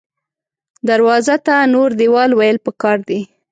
دروازو ته نور دیوال ویل پکار دې